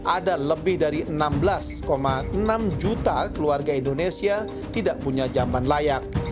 ada lebih dari enam belas enam juta keluarga indonesia tidak punya jamban layak